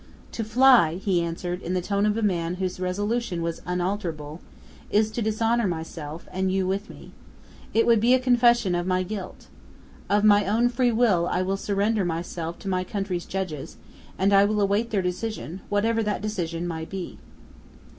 "To fly," he answered, in the tone of a man whose resolution was unalterable, "is to dishonor myself, and you with me! It would be a confession of my guilt! Of my own free will I surrendered myself to my country's judges, and I will await their decision, whatever that decision may be!"